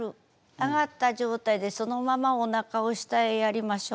上がった状態でそのままおなかを下へやりましょう。